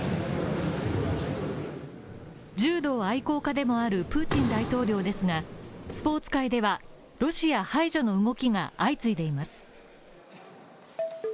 柔道愛好家でもあるプーチン大統領ですがスポーツ界では、ロシア排除の動きが相次いでいます。